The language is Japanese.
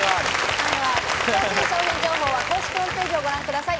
詳しい商品情報は公式ホームページをご覧ください。